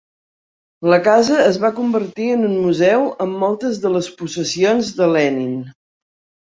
La casa es va convertir en un museu amb moltes de les possessions de Lenin.